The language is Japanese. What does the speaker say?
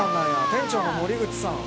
店長の森口さん。